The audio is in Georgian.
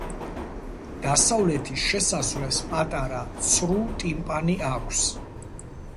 დასავლეთის შესასვლელს პატარა ცრუ ტიმპანი აქვს.